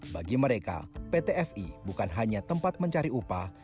bagi mereka pt fi bukan hanya tempat mencari upah